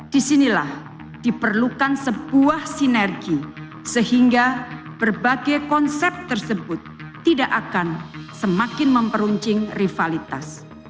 disinilah diperlukan sebuah sinergi sehingga berbagai konsep tersebut tidak akan semakin memperuncing rivalitas